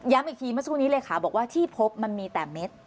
ย้ำอีกทีเมื่อช่วงนี้เลยค่ะบอกว่าที่พบมันมีแต่เม็ด